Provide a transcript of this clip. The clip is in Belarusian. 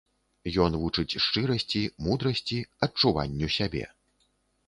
Ён вучыць шчырасці, мудрасці, адчуванню сябе.